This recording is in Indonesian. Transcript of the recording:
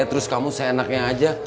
terus kamu seenaknya aja